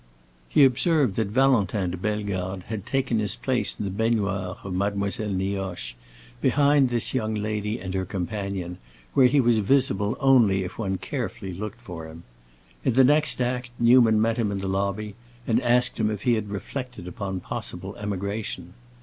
He observed that Valentin de Bellegarde had taken his place in the baignoire of Mademoiselle Nioche, behind this young lady and her companion, where he was visible only if one carefully looked for him. In the next act Newman met him in the lobby and asked him if he had reflected upon possible emigration.